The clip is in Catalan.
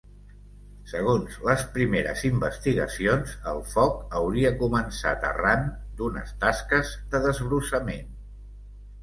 Segons les primeres investigacions, el foc hauria començat arran d’unes tasques de desbrossament.